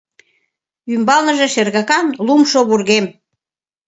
Ӱмбалныже шергакан лумшо вургем